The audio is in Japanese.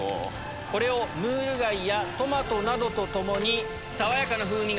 これをムール貝やトマトなどと共に。